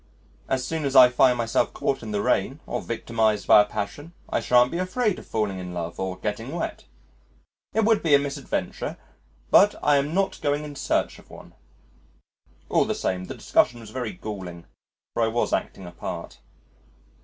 As soon as I find myself caught in the rain or victimised by a passion, I shan't be afraid of falling in love or getting wet. It would be a misadventure, but I am not going in search of one." All the same the discussion was very galling, for I was acting a part.